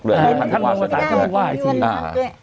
หรือท่านผู้ว่าสุดท้าย